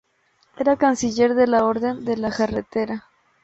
Era canciller de la Orden de la Jarretera.